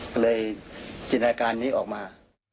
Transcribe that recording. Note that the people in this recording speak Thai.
ก็เลยจินตนาการนี้ออกมา